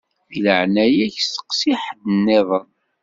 Di leɛnaya-k steqsi ḥedd-nniḍen.